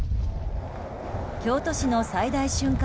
京都市の最大瞬間